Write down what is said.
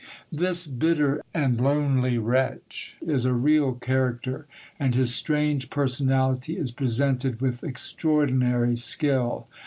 This bitter and lonely wretch is a real character, and his strange personality is presented with extraordinary skill.